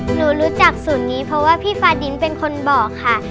หนูรู้จักศูนย์นี้เพราะว่าพี่ฟาดินเป็นคนบอกค่ะ